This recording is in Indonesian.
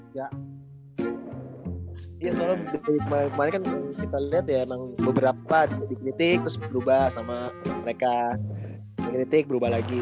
ya soalnya detik kemarin kan kita lihat ya emang beberapa dikritik terus berubah sama mereka mengkritik berubah lagi